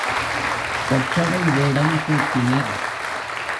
கொற்றவை வேடம் பூட்டினர்.